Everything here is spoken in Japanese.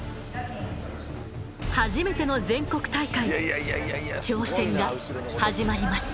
初めての全国大会挑戦が始まります。